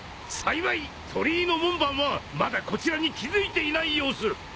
幸い鳥居の門番はまだこちらに気付いていない様子！